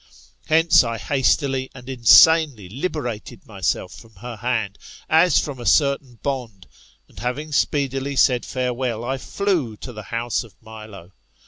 Hence, I hastily and insanely liberated myself from her hand« as from a certain bond, and having speedily €aid farewell, I flew to the house of Milo.